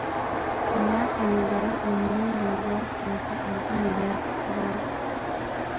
Bwebakanyugayo omulundi ogwasooka eggi ne lyatikirawo.